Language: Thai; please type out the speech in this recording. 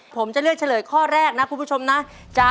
พร้อมครับค่ะ